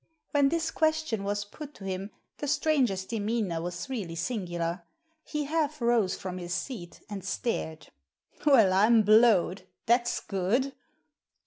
When this question was put to him the stranger^s demeanour was really singular. He half rose from his seat, and stared. « Well, Fm blowed ! That's good."